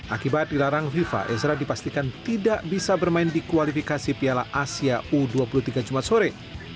akibat dilarang fifa ezra dipastikan tidak bisa bermain di kualifikasi piala asia u dua puluh tiga jumat sore